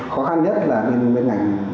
khó khăn nhất là bên ngành